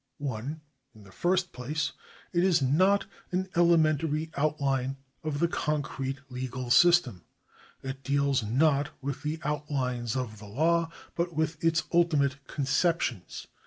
1. In tlie first place it is not an elementary outline of the concrete legal system. It deals not with the outlines of the law, but with its ultimate conceptions.